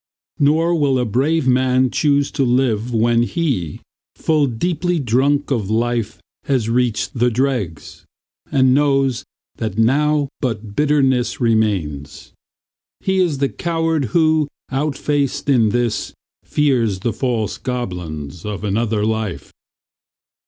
Nor will a brave man choose to live when he, Full deeply drunk of life, has reached the dregs, And knows that now but bitterness remains. He is the coward who, outfaced in this, Fears the false goblins of another life.